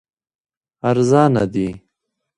ارزانه دي.